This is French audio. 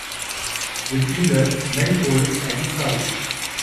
Depuis, le « may pole » a disparu.